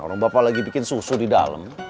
orang bapak lagi bikin susu di dalam